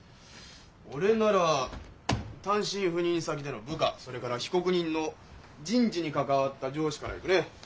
俺なら単身赴任先での部下それから被告人の人事に関わった上司からいくね。